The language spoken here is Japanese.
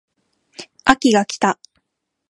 秋が来た